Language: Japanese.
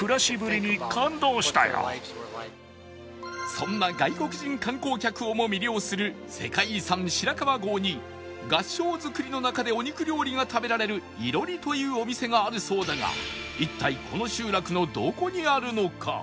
そんな外国人観光客をも魅了する世界遺産白川郷に合掌造りの中でお肉料理が食べられる「いろり」というお店があるそうだが一体この集落のどこにあるのか？